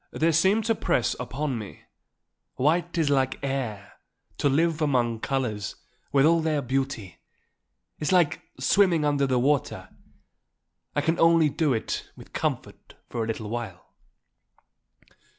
"They seem to press upon me. White is like the air; to live among colours, with all their beauty, is like swimming under the water; I can only do it with comfort for a little while."